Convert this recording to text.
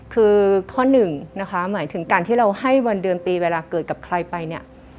คือข้อหนึ่งนะคะหมายถึงการที่เราให้วันเดือนปีเวลาเกิดกับใครไปเนี่ย